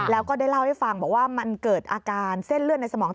แล้วก็ได้เล่าให้ฟังบอกว่ามันเกิดอาการเส้นเลือดในสมอง